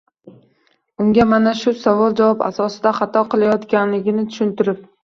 Unga mana shu savol-javob asosida xato qilayotganligini tushuntirib